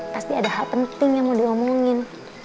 pasti ada hal penting yang mau diomongin